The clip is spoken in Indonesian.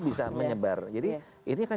bisa menyebar jadi ini kan